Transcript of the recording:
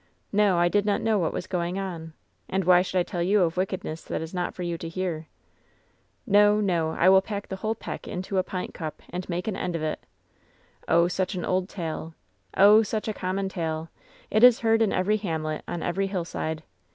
No, I did not know what was going on. And why should I tell you of wick edness that is not for you to hear ? "No, no, I will pack the whole peck into a pint cup, and make an end of it. "Oh, such an old tale. Oh, such a common tale. It is heard in every hamlet, on every hillside.